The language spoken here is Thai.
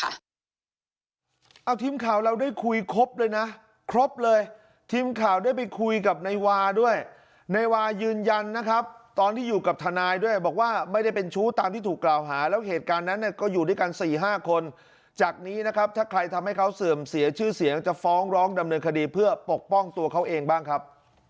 เอาทีมข่าวเราได้คุยครบเลยนะครบเลยทีมข่าวได้ไปคุยกับนายวาด้วยนายวายืนยันนะครับตอนที่อยู่กับทนายด้วยบอกว่าไม่ได้เป็นชู้ตามที่ถูกกล่าวหาแล้วเหตุการณ์นั้นเนี่ยก็อยู่ด้วยกันสี่ห้าคนจากนี้นะครับถ้าใครทำให้เขาเสื่อมเสียชื่อเสียงจะฟ้องร้องดำเนินคดีเพื่อปกป้องตัวเขาเองบ้างครับ